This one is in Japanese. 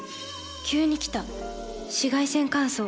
急に来た紫外線乾燥。